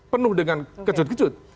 penuh dengan kejut kejut